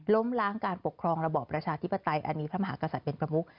ล้มล้างการปกครองระบอบประชาธิปไตยอันนี้พระมหากษัตริย์เป็นประมุก